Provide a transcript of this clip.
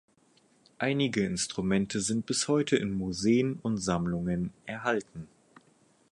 Einige Instrumente sind bis heute in Museen und Sammlungen erhalten.